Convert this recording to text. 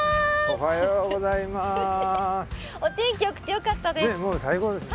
お天気よくてよかったです。